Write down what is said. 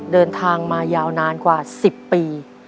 เดินทางมายาวนานกว่า๑๐ปี